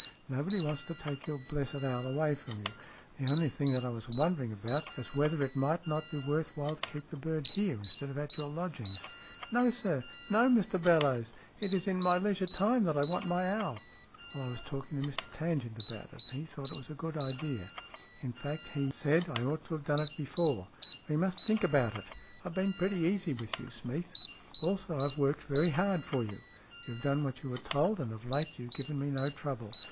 Nobody wants to take your blessed owl away from you. The only thing that I was wondering about was whether it might not be worth while to keep the bird here, instead of at your lodgings." " No, sir ! No, Mr Bellowes ! It is in my leisure time that I want my owl." "Well, I was talking to Mr Tangent about it, and he thought it was a good idea ; in fact, he SMEATH 37 said I ought to have done it before. We must think about it. I have been pretty easy with you, Smeath." " Also, I've worked very hard for you." " You've done what you were told, and of late you've given me no trouble.